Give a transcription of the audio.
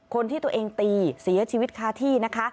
คนที่ตัวเองตีเสียชีวิตคาที่นะคะ